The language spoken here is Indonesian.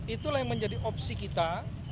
itulah yang menjadi opsi kita